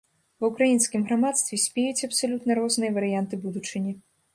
Ва ўкраінскім грамадстве спеюць абсалютна розныя варыянты будучыні.